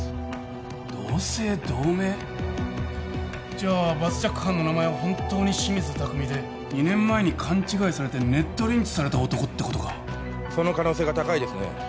じゃあバスジャック犯の名前は本当に清水拓海で２年前に勘違いされてネットリンチされた男ってことかその可能性が高いですね